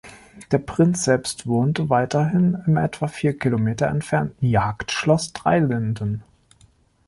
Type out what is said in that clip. Der Prinz selbst wohnte weiterhin im etwa vier Kilometer entfernten Jagdschloss Dreilinden.